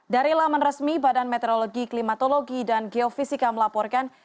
dari laman resmi badan meteorologi klimatologi dan geofisika melaporkan